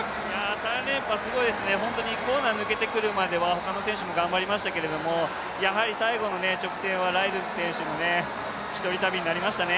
３連覇すごいですね、コーナー抜けてくるまでは他の選手も頑張りましたけどもやはり最後の直線はライルズ選手の１人旅になりましたね。